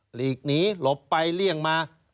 หลีกหนีหลบไปเลี่ยงมา